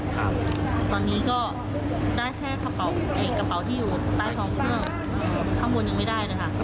ครับตอนนี้ก็ได้แค่กระเป๋ากระเป๋าที่อยู่ใต้ท้องเครื่องข้างบนยังไม่ได้เลยค่ะ